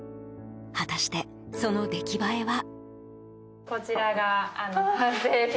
果たして、その出来栄えは。